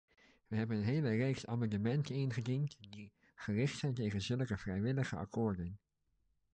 We hebben een hele reeks amendementen ingediend die gericht zijn tegen zulke vrijwillige akkoorden.